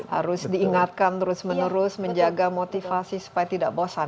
harus diingatkan terus menerus menjaga motivasi supaya tidak bosan